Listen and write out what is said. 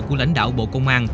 của lãnh đạo bộ công an